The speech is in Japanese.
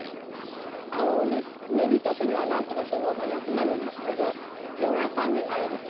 寝る時にはなんとかそのまま休めるんですけど夜中にあれですね